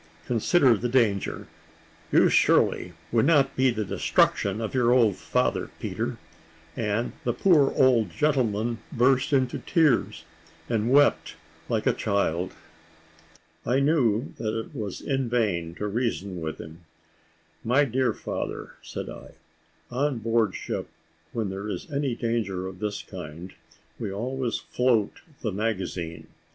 Consider the danger. You surely would not be the destruction of your father, Peter;" and the poor old gentleman burst into tears, and wept like a child. I knew that it was in vain to reason with him. "My dear father," said I, "on board ship, when there is any danger of this kind, we always float the magazine.